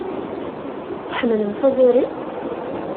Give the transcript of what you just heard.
Tḥemmlem taẓuri?